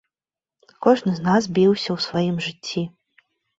Кожны з нас біўся ў сваім жыцці.